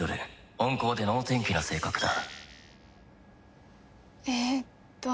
温厚で脳天気な性格だ」えっと。